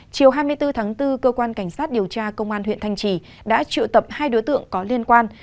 chiều hai mươi bốn tháng bốn cơ quan cảnh sát điều tra công an huyện thanh trì đã triệu tập hai đối tượng có liên quan